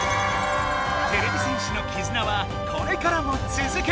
てれび戦士のきずなはこれからも続く。